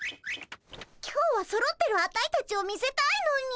今日はそろってるアタイたちを見せたいのに。